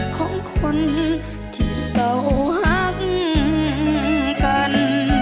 ของคนที่เศร้าฮักกัน